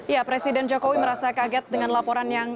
ya presiden jokowi merasa kaget dengan laporan yang